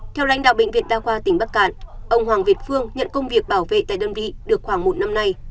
theo lãnh đạo bệnh viện đa khoa tỉnh bắc cạn ông hoàng việt phương nhận công việc bảo vệ tại đơn vị được khoảng một năm nay